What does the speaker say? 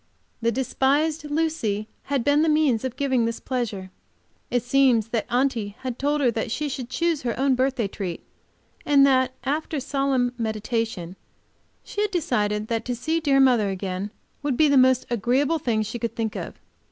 The despised Lucy had been the means of giving me this pleasure. It seems that Aunty had told her she should choose her own birthday treat, and that, after solemn meditation, she had decided that to see dear mother again would be the most agreeable thing she could think of.